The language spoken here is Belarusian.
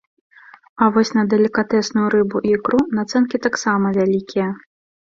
А вось на далікатэсную рыбу і ікру нацэнкі таксама вялікія.